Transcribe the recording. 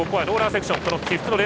ローラーセクション。